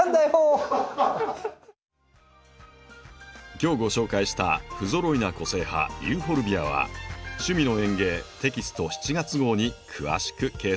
今日ご紹介した「ふぞろいな個性派ユーフォルビア」は「趣味の園芸」テキスト７月号に詳しく掲載されています。